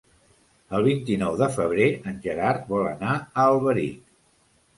El vint-i-nou de febrer en Gerard vol anar a Alberic.